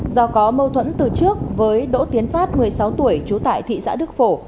do có mâu thuẫn từ trước với đỗ tiến phát một mươi sáu tuổi trú tại thị xã đức phổ